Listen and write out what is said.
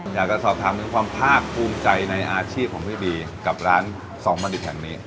อยากจะสอบถามถึงความภาคภูมิใจในอาชีพของพี่บีกับร้านสองบัณฑิตแห่งนี้